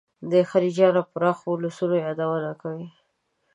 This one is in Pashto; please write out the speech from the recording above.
د خلجیانو پراخو اولسونو یادونه کوي.